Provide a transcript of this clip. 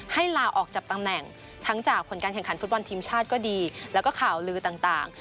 ลาออกจากตำแหน่งทั้งจากผลการแข่งขันฟุตบอลทีมชาติก็ดีแล้วก็ข่าวลือต่าง